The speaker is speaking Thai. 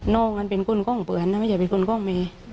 น้องเป็นคนค่องเปือนไม่ใช่คนค่องแม่